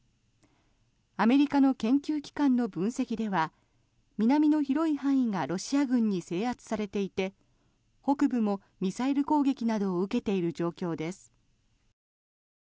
アメリカの研究機関の分析では南の広い範囲がロシア軍に制圧されていて北部もミサイル攻撃などを受けている状況です。